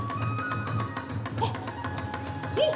あっおっ！